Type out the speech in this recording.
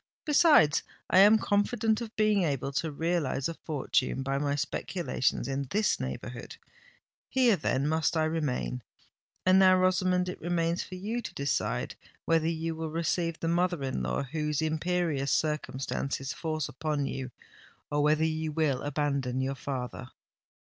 Besides, I am confident of being able to realise a fortune by my speculations in this neighbourhood. Here, then, must I remain. And now, Rosamond, it remains for you to decide whether you will receive the mother in law whom imperious circumstances force upon you—or whether you will abandon your father!"